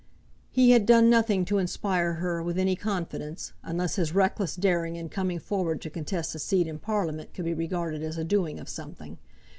He had done nothing to inspire her with any confidence, unless his reckless daring in coming forward to contest a seat in Parliament could be regarded as a doing of something.